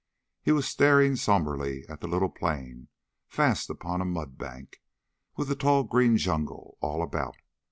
He was staring somberly at the little plane, fast upon a mud bank, with the tall green jungle all about.